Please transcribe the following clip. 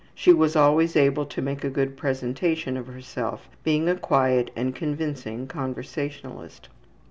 She was always able to make a good presentation of herself, being a quiet and convincing conversationalist.